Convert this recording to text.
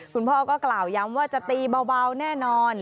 คุณพ่อก็กล่าวย้ำว่าจะตีเบาแน่นอน